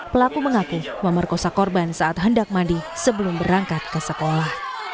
pelaku mengaku memerkosa korban saat hendak mandi sebelum berangkat ke sekolah